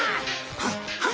はっはっ。